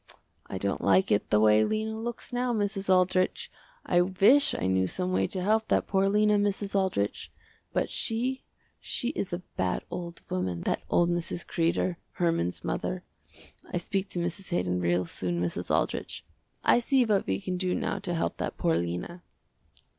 I don't like it the way Lena looks now Mrs. Aldrich. I wish I knew some way to help that poor Lena, Mrs. Aldrich, but she she is a bad old woman, that old Mrs. Kreder, Herman's mother. I speak to Mrs. Haydon real soon, Mrs. Aldrich, I see what we can do now to help that poor Lena."